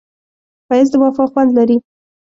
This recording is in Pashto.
ښایست د وفا خوند لري